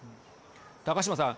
高島さん。